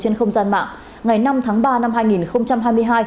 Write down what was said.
trên không gian mạng ngày năm tháng ba năm hai nghìn hai mươi hai